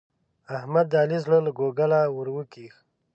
احمد د علي زړه له کوګله ور وکېښ.